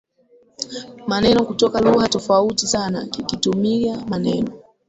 maneno kutoka lugha tofauti sana kikitumia maneno